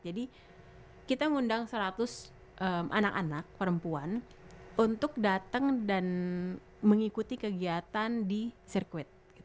jadi kita ngundang seratus anak anak perempuan untuk datang dan mengikuti kegiatan di sirkuit